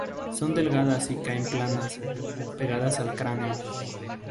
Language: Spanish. Son delgadas y caen planas, pegadas al cráneo.